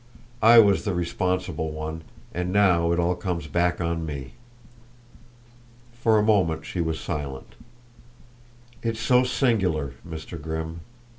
I was the responsible one, and now it all comes back on me." For a moment she was silent. "It's so singular, Mr. Grimm.